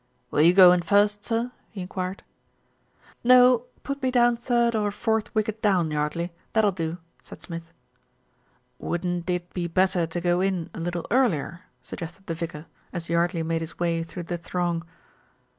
"Will you go in first, sir?" he enquired. "No, put me down third or fourth wicket down, Yardley, that'll do," said Smith. "Wouldn't it be better to go in a little earlier?" sug gested the vicar, as Yardley made his way through the throng.